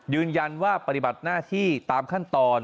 ยืนยันว่าปฏิบัติหน้าที่ตามขั้นตอน